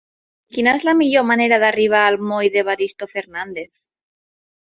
Quina és la millor manera d'arribar al moll d'Evaristo Fernández?